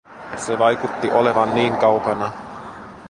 Se vaikutti olevan niin kaukana.